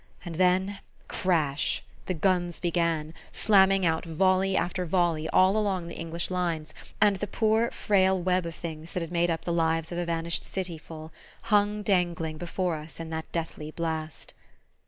And then crash! the guns began, slamming out volley after volley all along the English lines, and the poor frail web of things that had made up the lives of a vanished city full hung dangling before us in that deathly blast.